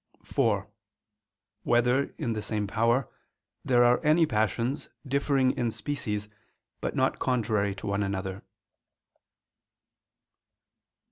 (4) Whether, in the same power, there are any passions, differing in species, but not contrary to one another?